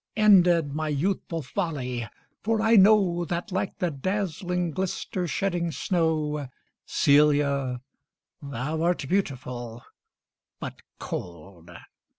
Ended my youthful folly! for I know That, like the dazzling, glister shedding snow, Celia, thou art beautiful, but cold.